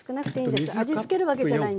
味つけるわけじゃないんで。